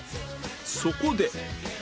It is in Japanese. そこで